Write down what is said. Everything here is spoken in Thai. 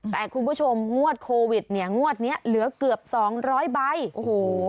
แต่คุณผู้ชมงวดโควิดเนี่ยงวดเนี้ยเหลือเกือบสองร้อยใบโอ้โห